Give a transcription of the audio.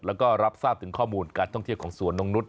แล้วก็รับทราบถึงข้อมูลการท่องเที่ยวของสวนนกนุษย